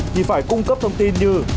thì phải cung cấp thông tin như